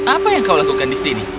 apa yang kau lakukan di sini